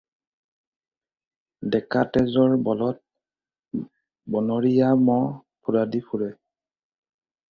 ডেকাতেজৰ বলত বনৰীয়া ম'হ ফুৰাদি ফুৰে।